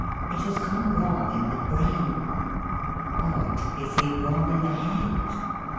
It has gone wrong in the brain. What, is he 'wrong in the head'?